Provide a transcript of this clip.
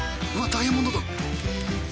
ダイヤモンドだ。